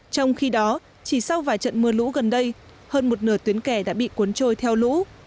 trong khi đó chỉ sau vài trận mưa lũ gần đây hơn một nửa tuyến kè đã bị cuốn trôi theo lũ